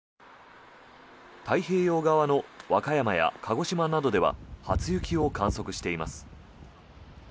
太平洋側の和歌山や鹿児島などでは初雪を観測しています。